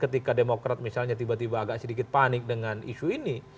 ketika demokrat misalnya tiba tiba agak sedikit panik dengan isu ini